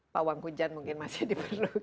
pawang hujan mungkin masih diperlukan